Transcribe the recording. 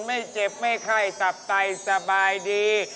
ไม่เจ็บไม่ไข้สับไตสบายดี